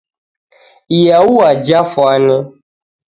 Iyaua jafwane.